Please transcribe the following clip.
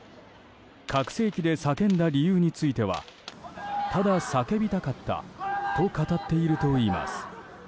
拡声器で叫んだ理由についてはただ叫びたかったと語っているといいます。